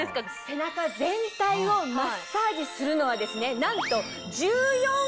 背中全体をマッサージするのはですねなんと。